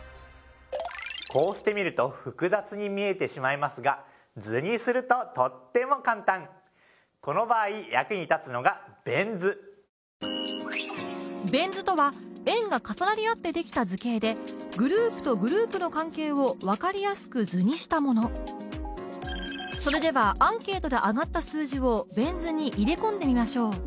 こうして見ると複雑に見えてしまいますが図にするととっても簡単この場合役に立つのがベン図ベン図とは円が重なり合ってできた図形でグループとそれではアンケートで挙がった数字をベン図に入れ込んでみましょう